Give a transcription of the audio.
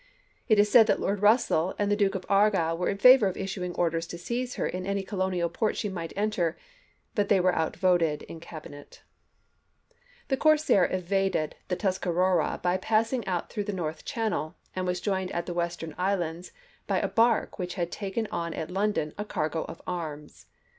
It is said that Lord Russell and the Duke of Argyll were in favor of issuing orders to seize her in any colonial port she might enter, but they were outvoted in Cabinet. DIPLOMACY OF 1862 55 The corsair evaded the Tuscarora by passing chap. m. out through the North Channel and was joined at the Western Islands by a bark which had taken on at London a cargo of arms.